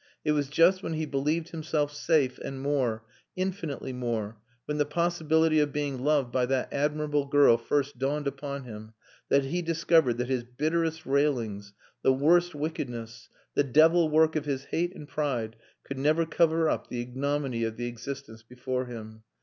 It was just when he believed himself safe and more infinitely more when the possibility of being loved by that admirable girl first dawned upon him, that he discovered that his bitterest railings, the worst wickedness, the devil work of his hate and pride, could never cover up the ignominy of the existence before him.